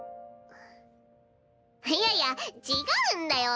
いやいや違うんだよ。